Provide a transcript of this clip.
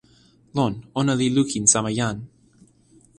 lon, ona li lukin sama jan.